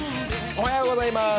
おはようございます。